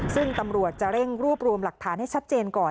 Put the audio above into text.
ซึ่งตำรวจจะเร่งรวบรวมหลักฐานให้ชัดเจนก่อน